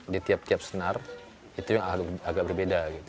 di tiap tiap senar itu yang agak berbeda